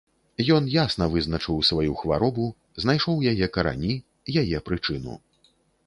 Ён ясна вызначыў сваю хваробу, знайшоў яе карані, яе прычыну.